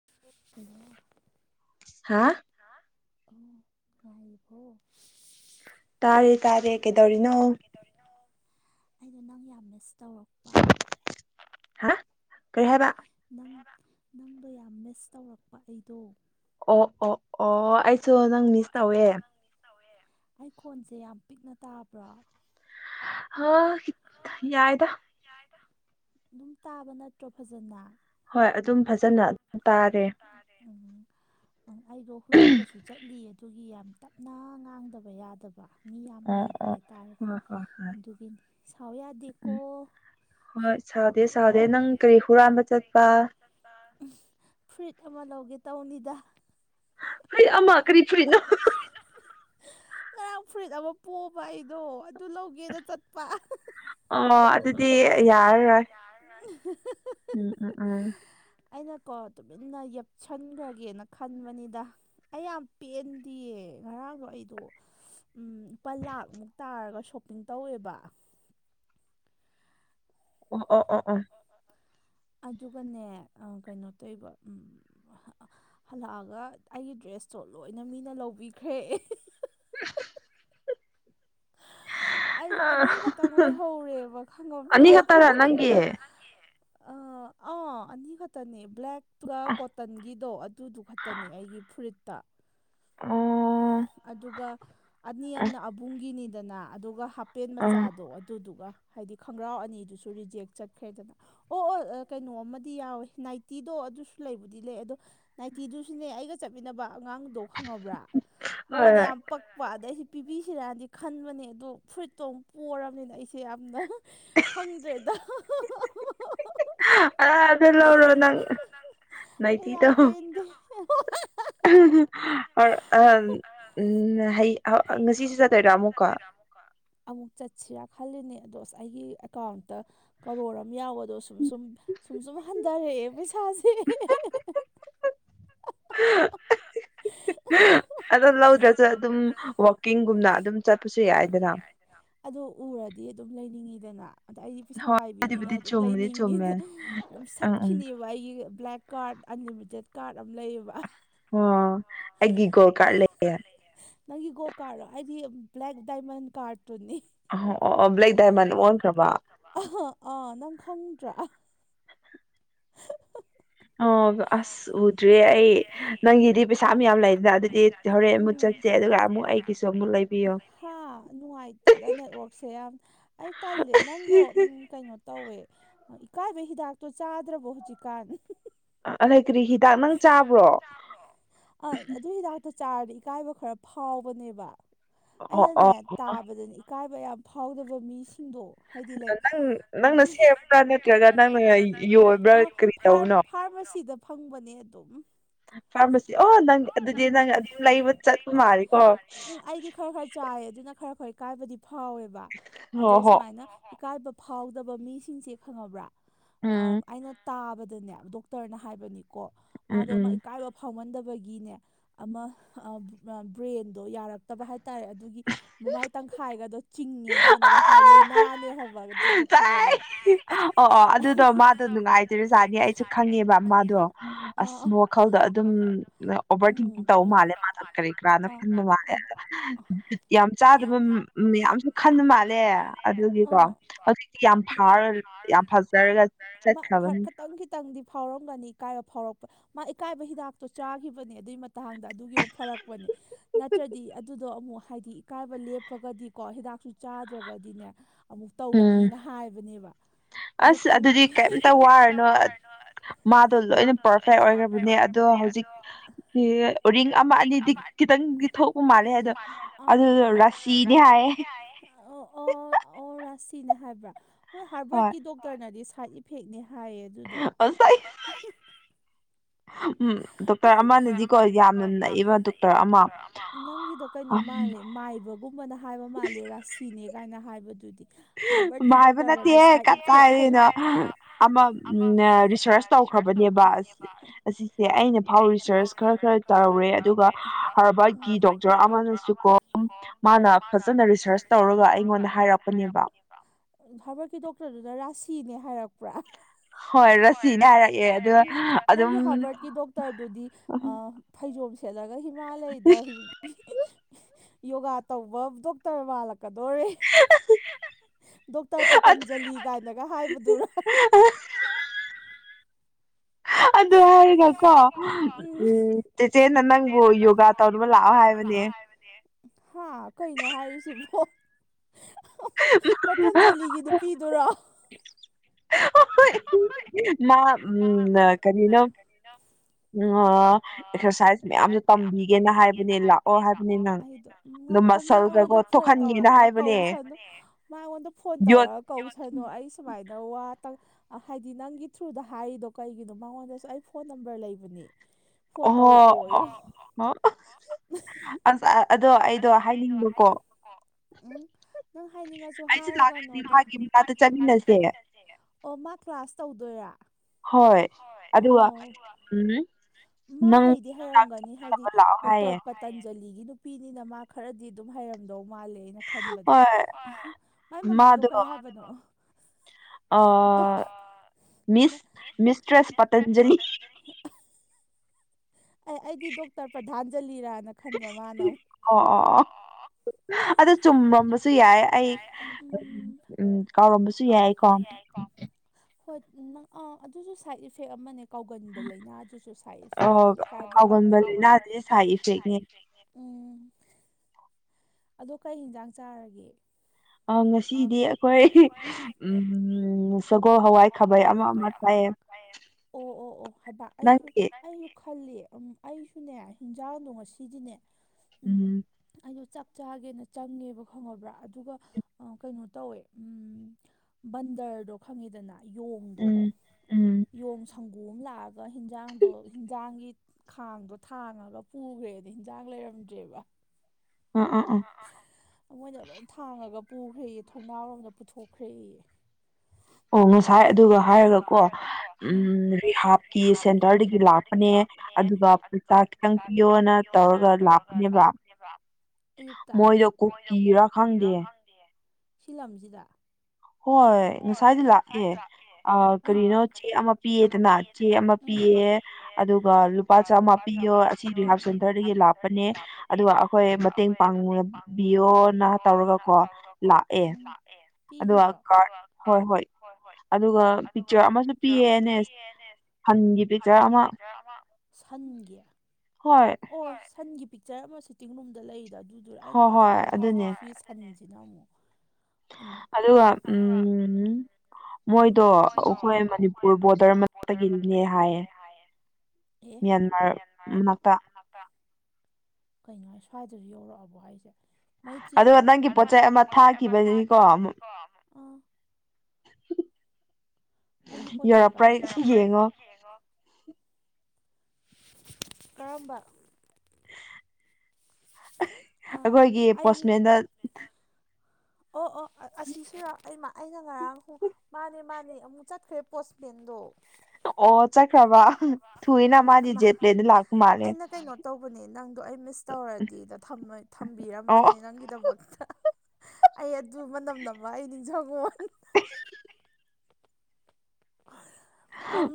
[unintelligible] [inaudible] ꯍꯥ [unintelligible] [inaudible] [unintelligible] [inaudible] ꯇꯥꯔꯦ ꯇꯥꯔꯦ ꯀꯩꯗꯧꯔꯤꯅꯣ ꯑꯩꯗꯣ ꯅꯪ ꯌꯥꯝ ꯃꯤꯁ ꯇꯧꯔꯛ꯫ ꯍꯥ ꯀꯔꯤ ꯍꯥꯏꯕ ꯅꯪ ꯀꯩꯍꯥꯏꯕ ꯅꯪꯗꯣ ꯌꯥꯝ ꯃꯤꯁ ꯇꯧꯔꯛꯄ ꯑꯩꯗꯣ ꯑꯣ ꯑꯣ ꯑꯣ ꯑꯩꯁꯨ ꯅꯪ ꯃꯤꯁ ꯇꯧꯋꯦ꯫ ꯑꯩ ꯈꯣꯟꯁꯦ ꯌꯥꯝ ꯄꯤꯛꯅ ꯇꯥꯕ꯭ꯔꯣ꯫ ꯍ ꯌꯥꯏꯗ ꯌꯥꯏꯗ ꯑꯗꯨꯝ ꯇꯥꯕ ꯅꯠꯇ꯭ꯔꯣ ꯐꯖꯅ꯫ ꯍꯣꯏ ꯑꯗꯨꯝ ꯐꯖꯅ ꯑꯗꯨꯝ ꯇꯥꯔꯦ꯫ ꯑ ꯑꯩꯗꯣ ꯍꯨꯔꯥꯟꯕꯁꯨ ꯆꯠꯂꯤ ꯑꯗꯨꯒꯤ ꯌꯥꯝ ꯇꯞꯅ ꯉꯥꯡꯗꯕ ꯌꯥꯗꯕ꯫ ꯃꯤ ꯌꯥꯝ ꯑꯣ ꯂꯩꯕ ꯑꯣ ꯍꯥꯏꯇꯥꯔꯦ ꯍꯣꯏ ꯍꯣꯏ ꯍꯣꯏ ꯑꯗꯨꯒꯤꯅꯤ ꯁꯥꯎ ꯌꯥꯗꯦꯀꯣ ꯎꯝ ꯍꯣꯏ ꯁꯥꯎꯗꯦ ꯁꯥꯎꯗꯦ ꯅꯪ ꯀꯔꯤ ꯍꯨꯔꯥꯟꯕ ꯆꯠꯄ ꯐꯨꯔ꯭‌ꯤꯠ ꯑꯃ ꯂꯧꯒꯦ ꯇꯧꯅꯤꯗ ꯐꯨꯔꯤꯠ ꯑꯃꯥ ꯀꯔꯤ ꯐꯨꯔꯤꯠꯅꯣ꯫ ꯉꯔꯥꯡ ꯐꯨꯔꯤꯠ ꯑꯃ ꯄꯣꯕ ꯑꯩꯗꯣ ꯑꯗꯨ ꯂꯧꯒꯦꯅ ꯆꯠꯄ ꯑꯣ ꯑꯗꯨꯗꯤ ꯌꯥꯔꯔꯣꯏ [unintelligible] ꯎꯝ ꯎꯝ ꯎꯝ ꯑꯩꯅ ꯀꯣ ꯇꯨꯃꯤꯟꯅ ꯌꯦꯞꯁꯟꯈ꯭ꯔꯒꯦꯅ ꯈꯟꯕꯅꯤꯗ ꯑꯩ ꯌꯥꯝ ꯄꯦꯟꯗꯦꯌꯦ ꯉꯔꯥꯡꯗꯣ ꯑꯩꯗꯣ ꯎꯝ ꯂꯨꯄꯥ ꯂꯥꯛꯃꯨꯛ ꯇꯥꯔꯒ ꯁꯣꯞꯄꯤꯡ ꯇꯧꯋꯦꯕ꯫ ꯑꯣ ꯑꯣ ꯑꯣ ꯑ [unintelligible] [inaudible] ꯑꯗꯨꯒꯅꯦ ꯑ ꯀꯩꯅꯣ ꯇꯧꯏꯕ ꯎꯝ ꯑ꯫ ꯍꯜꯂꯛꯑꯒ ꯑꯩꯒꯤ ꯗ꯭ꯔꯦꯁꯇꯣ ꯂꯣꯏꯅ ꯃꯤꯅ ꯂꯧꯕꯤꯈ꯭ꯔꯦ [inaudible] ꯑꯩꯗꯣ ꯑꯣ ꯑꯅꯤ ꯈꯛꯇꯪ ꯂꯩꯍꯧꯔꯦꯕ ꯑꯅꯤ ꯈꯪꯉꯕ꯭ꯔꯥ ꯈꯛꯇꯔ ꯅꯪꯒꯤ ꯑ ꯑꯥ ꯑꯅꯤ ꯈꯠꯇꯅꯤ ꯕ꯭ꯂꯦꯛ ꯄꯨꯔ ꯀꯣꯇꯟꯒꯤꯗꯣ ꯑꯗꯨꯗꯨ ꯈꯛꯇꯅꯦ ꯑꯩꯒꯤ ꯐꯨꯔꯤꯠꯇ ꯑꯣ ꯑꯗꯨꯒ ꯑꯅꯤ ꯑ ꯑꯃꯅ ꯑꯕꯨꯡꯒꯤꯅꯤꯗꯅ ꯑꯗꯨꯒ ꯍꯥꯄꯦꯟ ꯑ ꯃꯆꯥꯗ ꯑꯗꯣ ꯑꯗꯨꯗꯨꯒ ꯍꯥꯏꯗꯤ ꯈꯣꯡꯒ꯭ꯔꯥꯎ ꯑꯅꯤꯗꯨꯁꯨ ꯔꯤꯖꯦꯛ ꯆꯠꯈ꯭ꯔꯦꯗꯅ꯫ ꯑꯣ-ꯑꯣ ꯀꯩꯅꯣ ꯑꯃꯗꯤ ꯌꯥꯎꯋꯦ ꯅꯥꯏꯇꯤꯗꯣ ꯑꯗꯨꯁꯨ ꯂꯩꯕꯗꯤ ꯂꯩ ꯑꯗꯣ ꯅꯥꯏꯇꯤꯗꯨꯁꯨꯅꯦ ꯑꯩꯒ ꯆꯠꯃꯤꯟꯅꯕ ꯑꯉꯥꯡꯗꯣ ꯈꯪꯉꯕ꯭ꯔꯥ ꯍꯣꯏ ꯃꯉꯣꯟꯗ ꯌꯥꯝ ꯄꯛꯄ ꯑꯗꯩ ꯑꯩꯁꯤ ꯄꯤꯕꯤꯁꯤꯔꯅꯗꯤ ꯈꯟꯕꯅꯦ ꯑꯗꯣ ꯐꯨꯔꯤꯠꯇꯣ ꯑꯃꯨꯛ ꯄꯔꯕꯅꯤꯅ ꯑꯩꯁꯦ ꯌꯥꯝꯅ ꯈꯪꯗ꯭ꯔꯦꯗ ꯍꯣꯏ ꯑꯗꯨ ꯂꯧꯔꯣ ꯅꯪ ꯑꯩ ꯌꯥꯝꯄꯦꯟꯗꯦ ꯎ ꯉꯁꯤꯁꯨꯦ ꯆꯠꯇꯣꯏꯗ꯭ꯔꯥ ꯑꯃꯨꯛꯀꯣ [inaudible] ꯑꯃꯨꯛꯀ ꯑꯃꯨꯛ ꯆꯠꯁꯤꯔꯥ ꯈꯜꯂꯤꯅꯦ ꯑꯗꯣ ꯑꯁ ꯑꯩꯒꯤ ꯑꯦꯀꯥꯎꯟꯇ ꯀꯥꯔꯣ꯭ꯔ ꯑꯃ ꯌꯥꯎꯕꯗꯣ ꯁꯨꯝ-ꯁꯨꯝ ꯁꯨꯝ-ꯁꯨꯝ ꯍꯟꯗꯔꯛꯑꯦ ꯄꯩꯁꯥꯁꯦ [unintelligible] ꯑꯗꯣ ꯂꯧꯗ꯭ꯔꯁꯨ ꯑꯗꯨꯝ ꯋꯥꯛꯀꯤꯡꯒꯨꯝꯅ ꯑꯗꯨꯝ ꯆꯠꯄꯁꯨ ꯌꯥꯏꯗꯅ꯫ ꯑꯗꯣ ꯎꯔꯗꯤ ꯑꯗꯨꯝ ꯂꯩꯅꯤꯡꯉꯤꯗꯅ ꯑꯗ ꯑꯩꯗꯤ ꯄꯩꯁꯥ ꯄꯥꯏꯕꯤꯅꯤꯅ ꯑꯗꯨꯕꯨꯗꯤ ꯑꯗꯨꯝ ꯆꯨꯝꯕꯗꯤ ꯆꯨꯝꯃꯦ ꯂꯩꯅꯤꯡꯉꯤꯗ ꯑꯗꯨꯝ ꯎꯝ ꯎꯝ ꯁꯠꯈꯤꯅꯦꯕ ꯑꯩꯒꯤ ꯕ꯭ꯂꯦꯛ ꯀ꯭ꯥꯔꯠ ꯑꯟꯂꯤꯃꯤꯇꯦꯠ ꯀ꯭ꯥꯔꯠ ꯑꯃ ꯂꯩꯌꯦꯕ꯫ ꯑꯣ ꯑꯦꯒꯤ ꯒꯣ ꯅꯪꯒꯤꯒꯣ ꯀꯥꯔꯣ ꯑꯩꯗꯤ ꯕ꯭ꯂꯥꯛ ꯗꯗꯥꯏꯃꯟ ꯀꯥꯔ ꯇꯨꯅꯤ ꯑꯣ ꯑꯣ ꯕ꯭ꯂꯦꯛ ꯗꯥꯏꯃꯟ ꯑꯣꯟꯈ꯭ꯔꯕ ꯑꯥ ꯅꯪ ꯈꯪꯗ꯭ꯔꯥ ꯑꯣ ꯑꯁ ꯎꯗ꯭꯭ꯔꯦ ꯑꯩ ꯅꯪꯒꯤꯗꯤ ꯄꯩꯁꯥ ꯃ ꯌꯥꯝ ꯂꯩꯗꯅ ꯑꯗꯨꯗꯤ ꯍꯣꯔꯦꯟ ꯑꯃꯨꯛ ꯆꯠꯁꯦ ꯑꯗꯨꯒ ꯑꯃꯨꯛ ꯑꯩꯒꯤꯁꯨ ꯑꯃꯨꯛ ꯂꯩꯕꯤꯌꯣ ꯅꯨꯡꯉꯥꯏꯇꯦꯗ ꯅꯦꯠꯋꯛꯁꯦ ꯌꯥꯝ ꯑꯩ ꯇꯜꯂꯦ ꯅꯪꯗꯣ ꯎꯝ ꯀꯩꯅꯣ ꯇꯧꯋꯦ ꯏꯀꯥꯏꯕ ꯍꯤꯗꯥꯛꯇꯣ ꯆꯥꯗ꯭ꯔꯕꯣ ꯍꯧꯖꯤꯛꯀꯥꯟ ꯑꯗꯩ ꯀꯔꯤ ꯍꯤꯗꯥꯛ ꯅꯪ ꯅꯪ ꯆꯥꯕ꯭ꯔꯣ ꯆꯥꯕ꯭ꯔꯣ ꯑ ꯑꯗꯨ ꯍꯤꯗꯥꯛ ꯑꯗꯨ ꯆꯥꯔꯗꯤ ꯏꯀꯥꯏꯕ ꯈꯔ ꯐꯥꯎꯕꯅꯦꯕ ꯑꯣ ꯑꯩꯅꯅꯦ ꯑꯣ ꯇꯥꯕꯗꯅ‌ꯦ ꯏꯀꯥꯏꯕ ꯌꯥꯝ ꯐꯥꯎꯗꯕ ꯃꯤꯁꯤꯡꯗꯣ ꯍꯥꯏꯗꯤ ꯂꯥꯏꯛ ꯅꯪ ꯅꯪꯅ ꯎꯝ ꯁꯦꯝꯕ꯭ꯔꯥ ꯅꯠꯇ꯭ꯔꯒ ꯅꯪꯅ ꯌꯣꯟꯕ꯭ꯔꯥ ꯑ ꯀꯔꯤ ꯐ꯭ꯥꯔꯞ ꯇꯧꯕꯅꯣ ꯐ꯭ꯥꯔꯞ ꯃꯁꯤꯗ ꯐꯪꯕꯅꯦ ꯑꯗꯨꯝ ꯐꯥꯔꯃꯥꯁꯤ ꯑꯣ ꯅꯪ ꯑꯗꯨꯗꯤ ꯅꯪ ꯑꯗꯨꯝ ꯂꯩꯕ ꯆꯠꯄ ꯃꯥꯜꯂꯤꯀꯣ ꯂꯩꯔ [unintelligible] [inaudible] ꯈꯔ ꯈꯔ ꯆꯥꯏꯌꯦ ꯑꯗꯨꯅ ꯈꯔ ꯈꯔ ꯏꯀꯥꯏꯕꯗꯤ ꯐꯥꯎꯋꯦꯕ ꯍꯣ ꯑꯗꯣ ꯍꯣ ꯁꯨꯃꯥꯏꯅ ꯏꯀꯥꯏꯕ ꯐꯥꯎꯗꯕ ꯃꯤꯁꯤꯡꯁꯦ ꯈꯪꯉꯕ꯭ꯔꯥ ꯎꯝ ꯅ ꯇꯥꯕꯗꯅꯦ ꯗꯣꯛꯇꯔꯅ ꯍꯥꯏꯕꯅꯤꯀꯣ ꯎꯝ ꯃꯥꯗꯣ ꯎꯝ ꯑꯃ ꯏꯀꯥꯏꯕ ꯐꯥꯎꯍꯟꯗꯕꯒꯤꯅꯦ ꯑꯃ ꯕ꯭ꯔꯦꯟꯗꯣ ꯌꯥꯔꯛꯇꯕ ꯍꯥꯏ ꯇꯥꯔꯦ ꯑꯗꯨꯒꯤ ꯃꯃꯥꯏ ꯇꯪꯈꯥꯏꯒꯗꯣ ꯆꯤꯡꯉꯦ ꯀꯥꯏꯅꯒ ꯍꯥꯏ ꯂꯥꯏꯅꯥꯅꯦ ꯍꯥꯏꯕ ꯑꯗꯨꯗꯣ ꯆꯥꯏ ꯈꯪꯉꯕ꯭ꯔꯥ ꯑꯣ-ꯑꯣ ꯑꯗꯨꯗꯣ ꯃꯥꯗꯣ ꯑꯗꯨꯝ ꯉꯥꯏꯗꯔꯖꯨ [inaudible] ꯑꯩꯁꯨ ꯈꯪꯉꯦꯕ ꯃꯥꯗꯣ ꯑꯁ ꯑꯥ ꯋꯥꯈꯜꯗꯣ ꯑꯗꯨꯝ ꯑꯣꯚꯔ ꯊꯤꯡꯀꯤꯡ ꯎꯝ ꯇꯧꯕ ꯃꯥꯜꯂꯦ ꯃꯥ ꯀꯔꯤ ꯀꯔꯥꯅ ꯑꯥ ꯈꯟꯕ ꯃꯥꯜꯂꯦ ꯑꯗ ꯌꯥꯝ ꯆꯥꯗꯕ ꯎ ꯃꯌꯥꯝꯁꯨ ꯈꯟꯕ ꯃꯥꯜꯂꯦ ꯑꯗꯨꯒꯤꯀꯣ ꯑꯥ ꯍꯧꯖꯤꯛꯇꯤ ꯌꯥꯝ ꯐꯥꯔ ꯌꯥꯝ ꯐꯖꯔꯒ ꯃꯥ ꯈꯔ ꯆꯠꯈ꯭ꯔꯕꯅꯦ ꯈꯤꯇꯪ ꯈꯤꯇꯪꯗꯤ ꯐꯥꯎꯔꯝꯒꯅꯤ ꯏꯀꯥꯏꯕ ꯐꯥꯎꯔꯛꯄ ꯃꯥ ꯏꯀꯥꯏꯕꯩ ꯍꯤꯗꯥꯛꯇꯣ ꯆꯥꯈꯤꯕꯅꯦ ꯑꯗꯨꯒꯤ ꯃꯇꯥꯡꯗ ꯑꯗꯨꯒꯤ ꯑꯃꯨꯛ ꯐꯔꯛꯄꯅꯦ ꯅꯠꯇ꯭ꯔꯗꯤ ꯑꯗꯨꯗꯣ ꯑꯃꯨꯛ ꯍꯥꯏꯗꯤ ꯏꯀꯥꯏꯕ ꯂꯦꯞꯄꯒꯗꯤꯀꯣ ꯍꯤꯗꯥꯛꯁꯨ ꯆꯥꯗ꯭ꯔꯒꯗꯤꯅꯦ ꯑꯃꯨꯛ ꯎꯝ ꯇꯧꯋꯅꯤꯅ ꯍꯥꯏꯕꯅꯦꯕ ꯑ ꯑꯁ ꯑꯗꯨꯗꯤ ꯈꯪꯗꯦ ꯀꯩꯝꯇ ꯋꯥꯔꯅꯣ ꯃꯥꯗꯣ ꯂꯣꯏꯅ ꯄꯔꯐꯦꯛ ꯑꯣꯏꯈ꯭ꯔꯕꯅꯦ ꯑꯗꯣ ꯍꯧꯖꯤꯛ ꯔꯤꯡ ꯑꯃ ꯑꯅꯤꯗꯤ ꯈꯤꯇꯪꯗꯤ ꯊꯣꯛꯄ ꯃꯥꯜꯂꯦ ꯑꯗꯣ ꯑꯥ ꯑꯗꯨꯗꯣ ꯔꯥꯁꯤꯅꯦ ꯍꯥꯏꯌꯦ ꯑꯣ ꯑꯣ ꯑꯣ ꯔꯥꯁꯤꯅꯦ ꯍꯥꯏꯕ꯭ꯔꯥ ꯃꯣꯏ ꯍꯣꯏ ꯍꯥꯔꯕꯔꯠꯀꯤ ꯗꯣꯛꯇꯔꯅꯗꯤ ꯁꯥꯏꯠ ꯏꯐꯦꯛꯅꯤ ꯍꯥꯏꯌꯦ ꯑꯗꯨꯗꯣ ꯉꯁꯥꯏ ꯗꯣꯛꯇꯔ ꯑꯃꯅꯗꯤꯀꯣ ꯌꯥꯝꯅ ꯅꯛꯑꯕ ꯗꯣꯛꯇꯔ ꯑꯃ [inaudible] ꯅꯪꯒꯤꯗꯣ ꯀꯩꯅꯣ ꯃꯥꯜꯂꯦ ꯃꯥꯏꯕꯒꯨꯝꯕꯅ ꯍꯥꯏꯕ ꯃꯥꯜꯂꯦ ꯔꯥꯁꯤꯅꯦ ꯀꯥꯏꯅ ꯍꯥꯏꯕꯗꯨꯗꯤ ꯍꯥꯔꯕꯔꯠꯀꯤ ꯍꯥꯏꯕ ꯅꯠꯇꯦ ꯗꯣꯛꯇꯔꯅꯗꯤ ꯁꯥꯏꯠ ꯀ ꯏꯐꯦꯛ ꯍꯥꯏ ꯇꯥꯏꯅꯣ ꯑꯃ ꯔꯤꯁꯔꯁ ꯇꯧꯈ꯭ꯔꯦ ꯈꯕꯅꯦꯕꯁ ꯑꯁꯤꯁꯦ ꯑꯩꯅ ꯐꯥꯎ ꯔꯤꯁꯔꯁ ꯈꯔ ꯈꯔ ꯇꯧꯔꯦ ꯑꯗꯨꯒ ꯍꯔꯕꯀꯤ ꯗꯣꯛꯇꯔ ꯑꯃꯅꯁꯨ ꯀꯣ ꯃꯥꯅ ꯐꯖꯅ ꯔꯤꯁꯔꯁ ꯇꯧꯔꯒ ꯑꯩꯉꯣꯟꯗ ꯍꯥꯏꯔꯛꯄꯅꯦꯕ ꯍꯥꯔꯕ꯭ꯥꯔꯠꯀꯤ ꯗꯣꯛꯇꯔꯗꯨꯅ ꯔꯥꯁꯤꯅꯦ ꯍꯥꯏꯔꯛꯄ꯭ꯔꯥ ꯍꯣꯏ ꯔꯁꯤꯅꯦ ꯍꯥꯏꯔꯛꯑꯦ ꯔꯁꯤꯅ‌ꯦ ꯑꯗꯨꯒ ꯍꯥꯏꯔ‌ꯑꯦ ꯑꯗꯨꯝ ꯑꯗꯨꯒ [inaudible] ꯍꯥꯚꯔꯠꯀꯤ ꯗꯣꯛꯇꯔꯗꯨꯗꯤ ꯐꯩꯖꯣꯝ ꯈꯦꯂꯒ ꯍꯤꯃꯥꯂꯩꯗ ꯌꯣꯒꯥ ꯇꯧꯕ ꯗꯣꯛꯇꯔ ꯃꯥꯜꯂꯛꯄ ꯀꯗꯔꯦ ꯗꯣꯛꯇꯔ ꯄꯇꯟꯖꯂꯤ ꯀꯥꯏꯅꯒ ꯍꯥꯏꯕꯗꯨꯔꯥ [inaudible] ꯑꯗꯨ ꯍꯥꯏꯔꯒꯀꯣ ꯎꯝ ꯆꯦꯆꯦꯅ ꯅꯪꯕꯨ ꯌꯣꯒꯥ ꯇꯧꯅꯕ ꯂꯥꯛꯑꯣ ꯍꯥꯏꯕꯅꯦ ꯍꯥ ꯀꯩꯅꯣ ꯍꯥꯏꯔꯤꯁꯤꯕꯣ ꯄꯇꯟꯖꯂꯤꯒꯤꯗꯨꯄꯤꯤꯗꯔꯣ [inaudible] [unintelligible] ꯃꯥꯅ ꯀꯔꯤꯅꯣ [inaudible] ꯑꯦꯛꯁ꯭ꯔꯁꯥꯏꯁ ꯃꯌꯥꯝꯁꯨ ꯇꯝꯕꯤꯒꯦꯅ ꯍꯥꯏꯕꯅꯦ ꯂꯥꯛꯑꯣ ꯍꯥꯏꯕꯅ‌ꯦ ꯅꯪ ꯎꯝ ꯑꯗꯣ ꯉꯥꯛꯈꯣ ꯃꯥ ꯃꯁꯜꯒꯀꯣ ꯑꯩꯉꯣꯟꯗ ꯐꯣꯟ ꯊꯣꯛꯍꯟꯒꯦꯅ ꯇꯧꯔꯒ ꯍꯥꯏꯕꯅꯦ ꯀꯧꯁꯅꯨ ꯃꯥ ꯑꯩꯉꯣꯟꯗ ꯐꯣꯟ ꯌꯣꯠ ꯇꯧꯔꯒ ꯀꯧꯁꯅꯨ ꯑꯩ ꯐꯥꯏꯗ ꯋꯥ ꯑ [inaudible] ꯍꯥꯏꯗꯤ ꯅꯪꯒꯤ ꯊ꯭ꯔꯨꯗ ꯍꯥꯏꯔꯤꯗꯣ ꯀꯩꯒꯤꯅꯣ ꯃꯉꯣꯟꯗꯁꯨ ꯑꯩ ꯐꯣꯟ ꯅꯝꯕꯔ ꯂꯩꯕꯅꯤ ꯑꯣ [unintelligible] [inaudible] ꯑꯁ ꯑꯗꯣ ꯑꯩꯗꯣ ꯍꯥꯏꯅꯤꯡꯕꯀꯣ ꯎꯝ ꯅꯪ ꯍꯥꯏꯅꯤꯡꯉꯁꯨ ꯑꯩꯁꯨ ꯂꯥꯛꯀꯅꯤ ꯍꯥꯏꯔꯒꯅꯣꯗ ꯃꯥꯒꯤ ꯃꯅꯥꯛꯇ ꯆꯠꯃꯤꯟꯅꯁꯦ ꯑꯣ ꯃꯥ ꯀ꯭ꯂꯥꯁ ꯇꯧꯗꯣꯏꯔꯥ ꯍꯣꯏ ꯑꯗꯨꯒ ꯑꯣ ꯎꯝ ꯃꯥ ꯅꯪ ꯍꯩꯗꯤ ꯆꯥꯛ ꯍꯩꯔꯝꯒꯅꯤ ꯍꯥꯏꯗꯤ ꯆꯥꯃꯤꯟꯅꯕ ꯂꯥꯛꯑꯣ ꯍꯥꯏꯌꯦ ꯗꯣꯛꯇꯔ ꯄꯇꯟꯖꯂꯤꯒꯤ ꯅꯨꯄꯤꯅꯤꯅ ꯃꯥ ꯈꯔꯗꯤ ꯑꯗꯨꯝ ꯍꯩꯔꯝꯗꯧ ꯃꯥꯜꯂꯦꯅ ꯈꯟꯕꯗ ꯍꯣꯏ ꯃꯥꯏ ꯃꯃꯤꯡꯗꯣ ꯃꯥꯗꯣ ꯀꯩ ꯍꯥꯏꯕꯅꯣ ꯑ ꯑ ꯃꯤꯁ ꯃꯤ ꯃꯤꯁꯇ꯭ꯔꯦꯁ ꯃꯤꯁꯇꯦꯁ ꯄꯇꯟꯖꯂꯤ ꯄꯇꯥ ꯑꯦ ꯑꯩꯗꯤ ꯗꯣꯛꯇꯔ ꯄ꯭ꯔꯙꯥꯟꯖꯂꯤꯔꯥꯅ ꯈꯟꯕ ꯃꯥꯅ ꯑꯃꯨꯛ ꯑ ꯑꯗꯨ ꯆꯨꯝꯃꯝꯕꯁꯨ ꯌꯥꯏ ꯑꯩ ꯎꯝ ꯎꯝ ꯀꯥꯎꯔꯝꯕꯁꯨ ꯌꯥꯏꯀꯣ ꯍꯣꯏ ꯅꯪ ꯑꯥ ꯑꯗꯨꯁꯨ ꯁꯥꯏꯠ ꯏꯐꯦꯛ ꯑꯃꯅꯦ ꯀꯥꯎꯒꯟꯕ ꯂꯥꯏꯅꯥꯗꯨꯁꯨ ꯁꯥꯏꯠ ꯏꯐꯦꯛꯅꯤ ꯑꯣ ꯏꯀꯥꯏꯕ ꯀꯥꯎꯒꯟꯕ ꯈꯪꯗꯕꯗꯤ ꯂꯥꯏꯅꯥꯁꯦ ꯁꯥꯏꯠ ꯏꯐꯦꯛꯅꯦ ꯎꯝ ꯑꯗꯣ ꯀꯩ ꯍꯤꯟꯖꯥꯡ ꯆꯥꯔꯒꯦ ꯑ ꯉꯁꯤꯗꯤ ꯑꯩꯈꯣꯏ ꯎ ꯋꯥꯏ ꯑꯣ ꯑꯣ ꯑꯣ ꯍꯥꯏꯕ ꯑꯩꯁꯨ ꯅꯪꯗꯤ ꯑꯩ ꯈꯜꯂꯤ ꯑꯩꯁꯨꯅꯦ ꯍꯤꯟꯖꯥꯡꯗꯣ ꯉꯁꯤꯗꯤꯅꯦ ꯎꯝ ꯑꯩꯗꯣ ꯆꯞ ꯆꯥꯒꯦꯅ ꯆꯪꯉꯦꯕ ꯈꯪꯉꯕ꯭ꯔꯥ ꯑꯗꯨꯒ ꯀꯩꯅꯣ ꯇꯧꯋꯦ ꯕꯟꯗꯔꯗꯣ ꯈꯪꯉꯤꯗꯅ ꯌꯣꯡꯗꯣ ꯎꯝ ꯎꯝ ꯌꯦꯣꯡ ꯁꯪꯒꯨ ꯑꯃ ꯂꯥꯛꯑꯒ ꯍꯤꯟꯖꯥꯡꯗꯣ ꯍꯤꯟꯖꯥꯡꯒꯤ ꯈꯥꯡꯗꯣ ꯊꯥꯡꯉꯒ ꯄꯨꯈ꯭ꯔꯦꯗꯤ ꯍꯤꯟꯖꯥꯡ ꯂꯩꯔꯝꯗ꯭ꯔꯦꯕ ꯑ ꯑ [unintelligible] [inaudible] ꯃꯣꯏꯅ ꯂꯣꯏ ꯊꯥꯡꯉꯒ ꯄꯨꯈ꯭ꯔꯦ ꯊꯣꯡꯅꯥꯎꯔꯣꯝꯗ ꯄꯨꯊꯣꯛꯈ꯭ꯔꯦ ꯎꯝ ꯑꯣ ꯉꯁꯥꯏ ꯑꯗꯨꯒ ꯍꯥꯏꯔꯒ ꯀꯣ ꯎ ꯔꯤꯍꯥꯞꯀꯤ ꯁꯦꯟꯇꯔꯗꯒꯤ ꯂꯥꯛꯄꯅꯦ ꯑꯗꯨꯒ ꯄꯩꯁꯥ ꯈꯤꯇꯪ ꯄꯤꯌꯣꯅ ꯇꯧꯔꯒ ꯂꯥꯛꯄꯅꯦꯕ ꯑꯌꯨꯛꯇꯣꯏ ꯃꯣꯏꯗꯣ ꯀꯨꯀꯤꯔꯥ ꯈꯪꯗꯦ ꯁꯤ ꯂꯝꯁꯤꯗ ꯍꯣꯏ [unintelligible] [inaudible] ꯍꯣꯏ ꯉꯁꯥꯏꯁꯨ ꯂꯥꯛꯑꯦ ꯑ ꯀꯔꯤꯅꯣ ꯆꯦ ꯑꯃ ꯆꯦ ꯄꯤꯌꯦꯗꯅ ꯑꯃ ꯄꯤꯌꯦ ꯄꯤꯌꯦ ꯂꯨꯄꯥ ꯑꯗꯨꯒ ꯂꯨꯄꯥ ꯆꯥꯝꯃ ꯄꯤꯌꯣ ꯔꯤꯍꯥꯞ ꯑꯁꯤ ꯁꯦꯟꯇꯔꯗꯒꯤ ꯂꯥꯛꯄꯅꯦ ꯁꯇꯔꯗꯒꯤ ꯂꯄꯅꯤ ꯑꯗꯨꯒ ꯑꯩꯈꯣꯏ ꯑꯗꯨꯒ ꯃꯇꯦꯡ ꯑꯩꯈꯣꯏ ꯃꯇꯦꯡ ꯄꯥꯡꯕꯤꯌꯣꯅ ꯄꯥꯡꯕꯤꯌꯣꯅ ꯇꯧꯔꯒꯀꯣ ꯇꯧꯔꯒꯀꯣ ꯂꯥꯛꯑꯦ ꯂꯥꯛꯑꯦ ꯑꯗꯨꯒ ꯄꯤꯈꯤꯕ꯭ꯔꯣ ꯍꯣꯏ ꯍꯣꯏ ꯑꯗꯨꯒ ꯄꯤꯛꯆꯔ ꯑꯃꯁꯨ ꯄꯤꯌꯦ ꯑꯦꯅ ꯑꯦꯁ ꯍꯪꯒꯤ ꯄꯤ ꯆ ꯑꯃ ꯑꯃ [unintelligible] [inaudible] ꯁꯟꯒꯤ ꯍꯣꯏ [unintelligible] [inaudible] ꯑꯣ ꯁꯟꯒꯤ ꯄꯤꯛꯆꯔ ꯑꯃ ꯁꯤꯠꯇꯤꯡ ꯔꯨꯝꯗ ꯂꯩꯗ ꯑꯗꯨꯗꯨꯗ ꯑꯩꯅ ꯍꯣꯏ ꯍꯣꯏ ꯀꯗꯥꯏꯗꯒꯤ ꯑꯗꯨꯅꯦ ꯐꯅꯁꯤꯅ ꯑꯃꯨꯛ ꯏꯃꯥ ꯑ ꯎꯝ ꯃꯣꯏꯗꯣ ꯑꯩꯈꯣꯏ ꯃꯅꯤꯄꯨꯔ ꯕꯣꯔꯗꯔꯛꯇꯒꯤꯅꯦ ꯍꯥꯏꯌꯦ ꯃꯟꯃꯥꯔ ꯅꯅꯥꯛꯇ ꯑꯄꯥ ꯀꯩꯅꯣ ꯍꯥꯏ ꯁ꯭ꯋꯥꯏꯗꯁꯨ ꯌꯧꯔꯛꯑꯕꯣ ꯍꯥꯏꯁꯦ ꯃꯣꯏ ꯑꯗꯨꯒ ꯆꯦꯔꯣ ꯅꯪꯒꯤ ꯑꯗꯨꯒ ꯄꯣꯠꯆꯩ ꯅꯪꯒꯤ ꯑꯃ ꯄꯣꯠꯆꯩ ꯑꯃ ꯊꯥꯈꯤꯕꯅꯤꯀꯣ ꯊꯥꯈꯤꯕꯁꯤꯀꯣ ꯎ ꯑꯩꯒꯤ ꯄꯣꯠ ꯌꯔ ꯆꯩ ꯄ꯭ꯔꯥꯏ ꯀꯔꯝꯕ ꯌꯦꯡꯉꯣ ꯀꯔꯝꯕ ꯑꯥ ꯑꯩꯈꯣꯏꯒꯤ ꯑꯩꯒꯤ ꯄꯣꯁꯃꯦꯟꯗ ꯑꯣ ꯑꯣ ꯑꯁꯤꯁꯨ ꯌꯥ ꯑꯩꯃ ꯑꯩꯅ ꯉꯔꯥꯡꯁꯨ ꯃꯥꯅꯦ ꯃꯥꯅꯦ ꯑꯃꯨꯛ ꯆꯠꯈ꯭ꯔꯦ ꯄꯣꯁꯃꯦꯟꯗꯣ ꯑꯣ ꯆꯠꯈ꯭ꯔꯕ ꯊꯨꯏꯅ ꯎꯝ ꯃꯥꯗꯤ ꯑꯃ ꯖꯦꯠ ꯄ꯭ꯂꯦꯟꯗ ꯂꯥꯛꯄ ꯃꯥꯜꯂꯦ ꯑꯩꯅ ꯀꯩꯅꯣ ꯇꯧꯕꯅꯦ ꯅꯪꯗꯣ ꯑꯩ ꯃꯤꯁ ꯇꯧꯔꯗꯤꯗ ꯑꯣ ꯊꯝꯕꯤꯔꯝꯕꯅꯤꯅ ꯅꯪꯒꯤꯗꯃꯛꯇ ꯑꯩ ꯑꯗꯨ ꯃꯅꯝ ꯅ ꯑꯃ ꯑꯩ ꯅꯤꯡꯖꯊꯧꯉꯣꯟ [inaudible] ꯑꯝ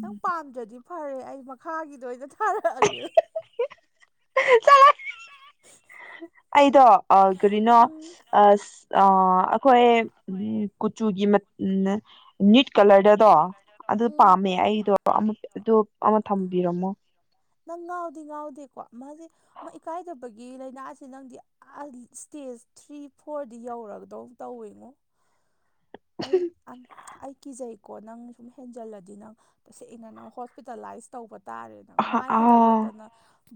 ꯅꯪ ꯄꯥꯝꯗ꯭ꯔꯗꯤ ꯐꯔꯦ ꯑꯩ ꯃꯈꯥꯒꯤꯗ ꯑꯣꯏꯅ ꯊꯥꯔꯛꯑꯒꯦ ꯇ [unintelligible] [inaudible] ꯑꯩꯗꯣ ꯑ ꯀꯔꯤꯅꯣ ꯎꯝ ꯑ ꯑ ꯑꯩꯈꯣꯏ ꯎ ꯀꯨꯆꯨꯒꯤ ꯎꯅꯤꯠ ꯀꯂꯔꯗꯗꯣ ꯑꯗꯨ ꯎꯝ ꯄꯥꯝꯃꯦ ꯑꯩꯗꯣ ꯑꯗꯨ ꯑꯃ ꯊꯝꯕꯤꯔꯝꯃꯣ ꯅꯪ ꯉꯥꯎꯗꯤ ꯉꯥꯎꯗꯦꯀꯣ ꯃꯥꯁꯦ ꯃꯥ ꯏꯀꯥꯏꯗꯕꯒꯤ ꯂꯥꯏꯅꯥ ꯑꯁꯤ ꯅꯪꯗꯤ ꯏꯁꯇꯦꯖ ꯊ꯭ꯔꯤ ꯐꯣꯔꯗꯤ ꯌꯧꯔꯒꯗꯧ ꯇꯧꯋꯦꯉꯣ ꯑꯩ ꯑꯩ ꯀꯤꯖꯩꯀꯣ ꯅꯪ ꯁꯨꯝ ꯍꯦꯟꯖꯜꯂꯗꯤ ꯅꯪ ꯇꯁꯦꯡ ꯑꯅ ꯅꯪ ꯍꯣꯁꯄꯤꯇꯥꯂꯥꯏꯁ ꯇꯧꯕ ꯇꯥꯔꯦ ꯑꯍ ꯃꯥꯏ ꯈꯛꯇꯛ ꯑꯥ ꯅꯠꯇꯅ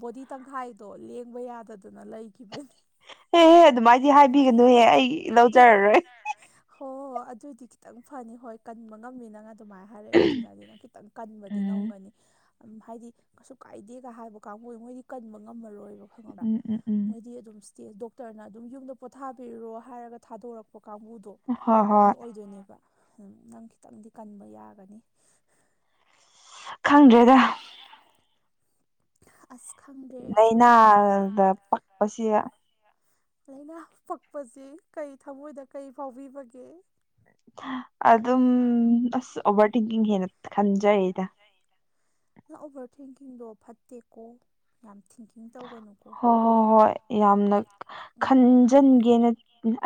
ꯕꯣꯗꯤ ꯇꯪꯈꯥꯏꯗꯣ ꯂꯦꯡꯕ ꯌꯥꯗꯗꯅ ꯂꯩ ꯑꯦꯍꯦ ꯑꯗꯨꯃꯥꯏꯗꯤ ꯍꯥꯏꯕꯤꯒꯅꯨꯍꯦ ꯑꯩ ꯂꯧꯖꯔꯔꯣꯏ ꯍꯣꯏ ꯍꯣꯏ ꯍꯣ ꯑꯗꯨꯏꯗꯤ ꯈꯤꯇꯪ ꯐꯅꯤ ꯍꯣꯏ ꯀꯟꯕ ꯉꯝꯃꯤꯅꯉꯥꯏ ꯑꯗꯨꯃꯥꯏꯅ ꯍꯥꯏꯔꯛꯏꯗꯨꯅ ꯑꯗꯨꯅ ꯈꯤꯇꯪ ꯀꯟꯕꯗꯤ ꯎꯝ ꯉꯝꯒꯅꯤ ꯍꯥꯏꯗꯤ ꯀꯩꯁꯨ ꯀꯥꯏꯗꯦꯒ ꯍꯥꯏꯕ ꯀꯥꯡꯕꯨ ꯃꯣꯏꯗꯤ ꯀꯟꯕ ꯉꯝꯃꯔꯣꯏꯕ ꯈꯪꯉꯕ꯭ꯔꯥ ꯎꯝ ꯎꯝ ꯎꯝ ꯃꯣꯏꯗꯤ ꯑꯗꯨꯝ ꯏꯁꯇꯦ ꯗꯣꯛꯇꯔꯅ ꯑꯗꯨꯝ ꯌꯨꯝꯗ ꯄꯣꯊꯥꯕꯤꯔꯨꯔꯣ ꯍꯥꯏꯔꯒ ꯊꯥꯗꯣꯔꯛꯄ ꯀꯥꯡꯕꯨꯗꯣ ꯍꯣꯏ ꯍꯣꯏ ꯃꯣꯏ ꯑꯣꯏꯗꯣꯏꯅꯦꯕ ꯑꯗꯨꯝ ꯅꯪ ꯈꯤꯇꯪꯗꯤ ꯀꯟꯕ ꯌꯥꯒꯅꯤ ꯈꯪꯗ꯭ꯔꯦꯒ ꯑꯁ ꯈꯪꯗ꯭ꯔꯦ ꯑꯩꯁꯨ ꯂꯥꯏꯅꯥꯗ ꯄꯛꯄꯁꯤ ꯂꯥꯏꯅꯥ ꯄꯛꯄꯁ ꯀꯩ ꯊꯃꯣꯏꯗ ꯀꯩ ꯐꯥꯎꯕꯤꯕꯒꯦ ꯑꯗꯨ ꯑꯗꯨꯝ ꯑꯗꯨꯗꯝ ꯑꯁ ꯑꯣꯕꯔ ꯊꯤꯤꯡꯀꯤꯡ ꯍꯅ ꯈꯟꯖꯗ ꯅ ꯑꯣꯚꯔ ꯊꯤꯡꯀꯤꯡꯗꯣ ꯐꯠꯇꯦꯀꯣ ꯌꯥꯝ ꯊꯤꯡꯀꯤꯡ ꯇꯧꯒꯅꯨ ꯍꯣꯏ ꯍꯣꯏ ꯍꯣꯏ ꯌꯥꯝꯅ ꯎꯝ ꯈꯟꯖꯟꯒꯦꯅ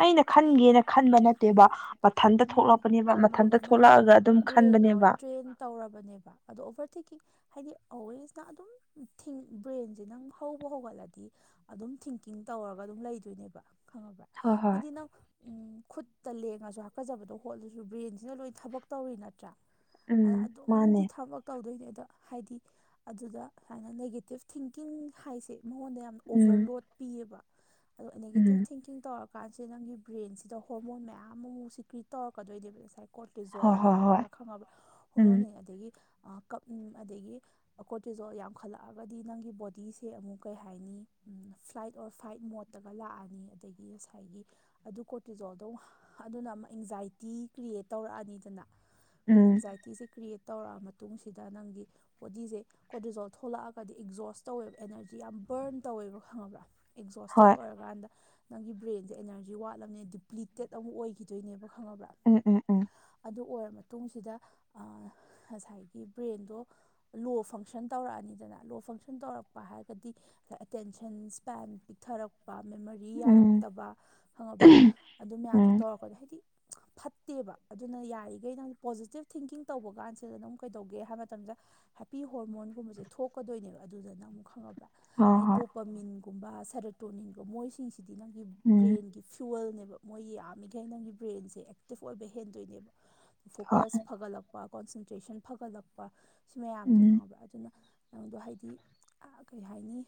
ꯑꯩꯅ ꯈꯟꯒꯦꯅ ꯈꯟꯕ ꯅꯠꯇꯦꯕ ꯃꯊꯟꯇ ꯃꯥꯅꯦ ꯊꯣꯛꯂꯛꯄꯅꯦꯕ ꯃꯊꯟꯇ ꯃꯥꯅꯦ ꯅꯪꯒꯤ ꯊꯣꯛꯂꯛꯑꯒ ꯑꯗꯨꯝ ꯕ꯭ꯔꯦꯟꯗꯣ ꯈꯟꯕꯅꯦꯕ ꯇ꯭ꯔꯦꯟ ꯇꯧꯔꯕꯅꯦꯕ ꯑꯗꯣ ꯑꯣꯕꯔꯇꯦꯛꯀꯤꯡ ꯍꯥꯏꯗꯤ ꯑꯣꯋꯦꯁꯅ ꯑꯗꯨꯝ ꯊꯤꯡ ꯕ꯭ꯔꯦꯟꯁꯦ ꯅꯪ ꯍꯧꯕ ꯍꯧꯒꯠꯂꯗꯤ ꯑꯗꯨꯝ ꯊꯤꯡꯀꯤꯡ ꯇꯧꯔꯒ ꯑꯗꯨꯝ ꯂꯩꯗꯣꯏꯅꯦꯕ ꯈꯪꯉꯕ꯭ꯔꯥ ꯍꯣꯏ ꯍꯣꯏ ꯍꯥꯏꯗꯤ ꯅꯪ ꯈꯨꯠꯇ ꯂꯦꯡꯉꯁꯨ ꯍꯥꯀꯠꯆꯕꯗꯣ ꯍꯣꯠꯂꯁꯨ ꯕ꯭ꯔꯦꯟꯁꯤꯅ ꯂꯣꯏ ꯊꯕꯛ ꯇꯧꯔꯤ ꯅꯠꯇ꯭ꯔꯥ ꯎꯝ ꯑꯗ ꯃꯥꯅꯦ ꯑꯗꯨꯝꯗꯤ ꯊꯕꯛ ꯇꯧꯗꯣꯏꯅꯦ ꯑꯗ ꯍꯥꯏꯗꯤ ꯑꯗꯨꯗ ꯁꯨꯃꯥꯏꯅ ꯅꯦꯒꯦꯇꯤꯞ ꯊꯤꯡꯀꯤꯡ ꯍꯥꯏꯁꯦ ꯃꯉꯣꯟꯗ ꯌꯥꯝ ꯑꯣꯕꯔ ꯎꯝ ꯂꯣꯗ ꯄꯤꯌꯦꯕ ꯑꯗꯣ ꯅꯦꯒꯦꯇꯤꯞ ꯎꯝ ꯊꯤꯡꯀꯤꯡ ꯇꯧꯔꯄ ꯀꯥꯟꯁꯤꯗ ꯅꯪꯒꯤ ꯕ꯭ꯔꯦꯟꯁꯤꯗ ꯍꯣꯔꯃꯣꯟ ꯃꯌꯥꯝ ꯑꯃꯨ ꯁꯤ ꯀ꯭ꯔꯤꯠ ꯇꯧꯔꯛꯀꯗꯣꯏꯅꯦꯕ ꯉꯁꯥꯏ ꯍꯣꯏ ꯀꯣꯔꯣꯇꯤꯖꯣꯜ ꯍꯣꯏ ꯍꯣꯏ ꯀꯥꯏꯅꯒ ꯈꯪꯉꯕ ꯎꯝ ꯍꯣꯔꯃꯣꯅꯤ ꯑꯗꯒꯤ ꯀꯞ ꯑꯗꯒꯤ ꯀꯣꯇꯤꯖꯣꯜ ꯌꯥꯝꯈꯠꯂꯛꯑꯒꯗꯤ ꯅꯪꯒꯤ ꯕꯣꯗꯤꯁꯦ ꯑꯃꯨꯛ ꯀꯩ ꯍꯥꯏꯅꯤ ꯐ꯭ꯂꯥꯏꯠ ꯑꯣꯔ ꯐ꯭ꯂꯥꯏꯠ ꯃꯣꯠ ꯇꯒ ꯂꯥꯛꯑꯅꯤ ꯑꯗꯒꯤ ꯉꯁꯥꯏꯒꯤ ꯑꯗꯨ ꯀꯣꯔꯇꯤꯖꯣꯜꯗꯣ ꯑꯗꯨꯅ ꯑꯃꯨꯛ ꯑꯦꯡꯖꯥꯏꯇꯤ ꯀ꯭ꯔꯤꯌꯦꯠ ꯇꯧꯔꯛꯑꯅꯤꯗꯅ ꯎꯝ ꯑꯦꯡꯖꯥꯏꯇꯤꯁꯦ ꯀ꯭ꯔꯤꯌꯦꯠ ꯇꯧꯔꯛꯑ ꯃꯇꯨꯡꯁꯤꯗ ꯅꯪꯒꯤ ꯕꯣꯗꯤꯁꯦ ꯀꯣꯗꯤꯖꯣꯜ ꯊꯣꯛꯂꯛꯑꯒꯗꯤ ꯑꯦꯛꯖꯣꯁ ꯇꯧꯋꯦꯕ ꯑꯦꯅꯔꯖꯤ ꯌꯥꯝ ꯕꯔꯟ ꯇꯧꯋꯦꯕ ꯈꯪꯉꯕ꯭ꯔꯥ ꯑꯦꯛꯖꯣꯁꯇꯦꯠ ꯍꯣꯏ ꯑꯣꯏꯔꯀꯥꯟꯗ ꯅꯪꯒꯤ ꯕ꯭ꯔꯦꯟꯗꯦ ꯑꯦꯅꯔꯖꯤ ꯋꯥꯠꯂꯕꯅꯦ ꯗꯤꯄ꯭ꯂꯤꯇꯦꯠ ꯑꯃꯛ ꯑꯣꯏꯈꯤꯗꯣꯏꯅꯦꯕ ꯈꯪꯉꯕ꯭ꯔꯥ ꯎꯝ-ꯎꯝ-ꯎꯝ ꯑꯗꯨ ꯑꯣꯏꯔ ꯃꯇꯨꯡꯁꯤꯗ ꯑꯥ ꯉꯁꯥꯏꯒꯤ ꯕ꯭ꯔꯦꯟꯗꯣ ꯂꯣ ꯐꯪꯁꯟ ꯇꯧꯔꯛꯑꯅꯤꯗꯅ ꯂꯣ ꯐꯪꯁꯟ ꯇꯧꯔꯛꯄ ꯍꯥꯏꯔꯒꯗꯤ ꯑꯦꯇꯦꯟꯁꯟꯁ ꯇꯥ꯭ꯏꯝ ꯄꯤꯛꯊꯔꯛꯄ ꯃꯦꯃꯣꯔꯤ ꯎꯝ ꯌꯥꯔꯛꯇꯕ ꯈꯪꯉꯕ꯭ꯔꯥ ꯑꯗꯨ ꯃꯌꯥꯝꯁꯦ ꯎꯝ ꯇꯧꯔꯛꯄꯗ ꯍꯥꯏꯗꯤ ꯐꯠꯇꯦꯕ ꯑꯗꯨꯅ ꯌꯥꯔꯤꯒ‌ꯩ ꯅꯪ ꯄꯣꯖꯤꯇꯤꯕ ꯊꯤꯡꯀꯤꯡ ꯇꯧꯕ ꯀꯥꯟꯁꯤꯗꯅ ꯑꯃꯨꯛ ꯀꯩꯗꯧꯒꯦ ꯍꯥꯏꯕ ꯃꯇꯝꯗ ꯍꯦꯄꯤ ꯍꯣꯔꯃꯣꯟꯒꯨꯝꯕꯁꯦ ꯊꯣꯛꯀꯗꯣꯏꯅꯦꯕ ꯑꯗꯨꯗꯅ ꯑꯃꯨꯛ ꯈꯪꯉꯕ꯭ꯔꯥ ꯍꯣꯏ ꯍꯥꯏ [inaudible] ꯍꯣꯏ ꯄ꯭ꯔꯃꯤꯟꯒꯨꯝꯕ ꯁꯔꯇꯣꯅꯤꯟꯒꯨꯝꯕ ꯃꯣꯏꯁꯤꯡꯁꯤꯗꯤ ꯅꯪꯒꯤ ꯎꯝ ꯕ꯭ꯔꯦꯟꯒꯤ ꯐ꯭ꯂꯨꯋꯦꯜꯅꯦꯕ ꯃꯣꯏ ꯌꯥꯝꯃꯤꯈꯩ ꯅꯪꯒꯤ ꯕ꯭ꯔꯦꯟꯖ‌ꯦ ꯑꯦꯛꯇꯤꯞ ꯑꯣꯏꯕ ꯍꯦꯟꯗꯣꯏꯅꯦꯕ ꯍꯣꯏ ꯐꯣꯀꯁ ꯐꯒꯠꯂꯛ ꯀꯣꯟꯁꯦꯟꯇ꯭ꯔꯦꯁꯟ ꯐꯒꯠꯂꯛꯄ ꯁꯤ ꯃꯌꯥꯝꯁꯦ ꯎꯝ ꯈꯪꯉꯕ꯭ꯔꯥ ꯑꯗꯨꯅ ꯅꯪꯗꯣ ꯍꯥꯏꯗꯤ ꯑꯥ ꯀꯩ ꯍꯥꯏꯅꯤ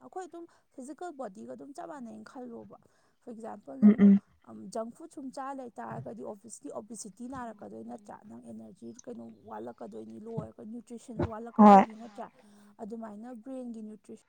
ꯑꯩꯈꯣꯏ ꯑꯗꯨꯝ ꯐꯤꯖꯤꯀꯦꯜ ꯕꯣꯗꯤꯒ ꯑꯗꯨꯝ ꯆꯞ ꯃꯥꯟꯅꯩꯩꯅ ꯈꯜꯂꯣꯕ ꯐꯣꯔ ꯑꯦꯛꯖꯥꯝꯄꯜ ꯎꯝ ꯅꯪꯗꯣ ꯎꯝ ꯑꯝ ꯖꯪ ꯐꯨꯗꯁ ꯁꯨꯝ ꯆꯥ ꯂꯩꯇꯥꯥꯔꯒꯗꯤ ꯑꯣꯕꯤꯁꯂꯤ ꯑꯣꯕꯤꯁꯤꯇꯤ ꯅꯥꯔꯛꯀꯗꯣꯏ ꯅꯠꯇ꯭ꯔꯥ ꯅꯪ ꯑꯦꯅ꯭ꯔꯖꯤ ꯀꯩꯅꯣ ꯋꯥꯠꯂꯛꯀꯗꯣꯏ ꯅꯤꯂ‌ꯣ ꯑꯣꯏꯔꯒ ꯅꯤ꯭ꯌꯨꯇ꯭ꯔꯤꯁꯟꯁ ꯍꯣꯏ ꯋꯥꯠꯂꯛꯀꯗꯣꯏꯅꯤ ꯅꯠꯇ꯭ꯔꯥ ꯑꯗꯨꯃꯥꯏꯅ ꯕ꯭ꯟꯔ‌ꯦꯒꯤ ꯅꯤ꯭ꯌꯨꯇ꯭ꯔꯤ